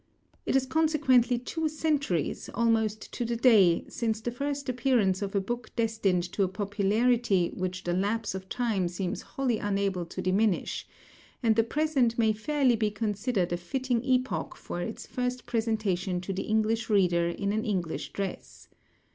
It is consequently two centuries, almost to the day, since the first appearance of a book destined to a popularity which the lapse of time seems wholly unable to diminish; and the present may fairly be considered a fitting epoch for its first presentation to the English reader in an English dress.